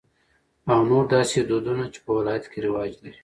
او نور داسې دودنه چې په د ولايت کې رواج لري.